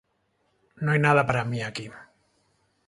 No hay nada para mí aquí.